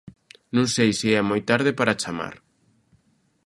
Non sei se é moi tarde para chamar.